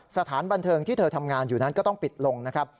สถานบันเทิงที่เธอทำงานอยู่นั้นก็ต้องปิดลงนะครับ